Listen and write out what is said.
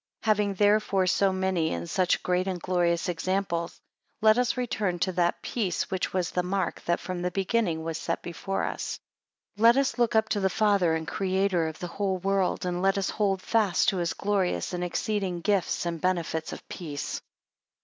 2 Having therefore so many, and such great and glorious examples, let us return to that peace which was the mark that from the beginning was set before us; 3 Let us look up to the Father and Creator of the whole world; and let us hold fast to his glorious and exceeding gifts and benefits of peace.